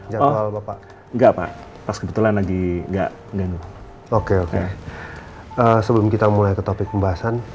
jadwal bapak enggak pak pas kebetulan lagi enggak dan oke oke sebelum kita mulai ke topik pembahasan